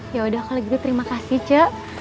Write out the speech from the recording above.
ya udah kalau gitu terima kasih ce